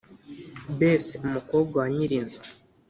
bess, umukobwa wa nyirinzu,